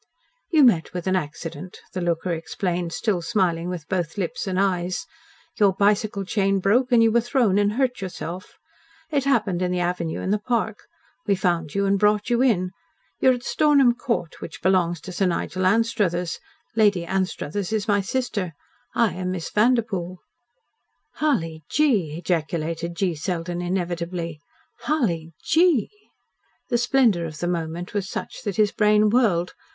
"You met with an accident," the "looker" explained, still smiling with both lips and eyes. "Your bicycle chain broke and you were thrown and hurt yourself. It happened in the avenue in the park. We found you and brought you in. You are at Stornham Court, which belongs to Sir Nigel Anstruthers. Lady Anstruthers is my sister. I am Miss Vanderpoel." "Hully gee!" ejaculated G. Selden inevitably. "Hully GEE!" The splendour of the moment was such that his brain whirled.